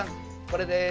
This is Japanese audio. これです！